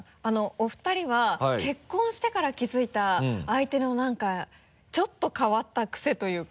お二人は結婚してから気づいた相手のなんかちょっと変わった癖というか。